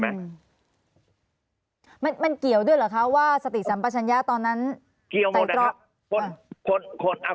มันมันเกี่ยวด้วยเหรอคะว่าสติสัมปัชญะตอนนั้นเกี่ยวมองนะครับ